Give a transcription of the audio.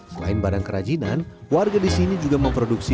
selain barang kerajinan warga di sini juga memproduksi